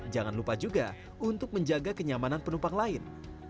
jangan lupa juga untuk menjaga kenyamanan penumpang lain